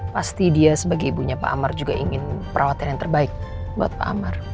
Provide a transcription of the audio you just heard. pasti dia sebagai ibunya pak amar juga ingin perawatan yang terbaik buat pak amar